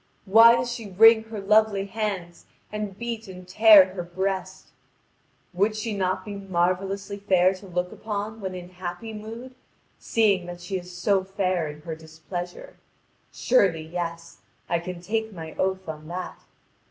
Why does she wring her lovely hands and beat and tear her breast? Would she not be marvellously fair to look upon when in happy mood, seeing that she is so fair in her displeasure? Surely yes, I can take my oath on that.